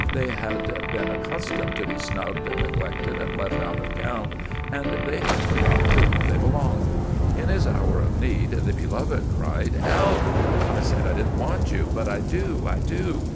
They had been accustomed to be snubbed and neglected and left out of count, and they had forgotten to whom they belonged. In his hour of need the Beloved cried, "'Elp! I said I didn't want you, but I do I do!"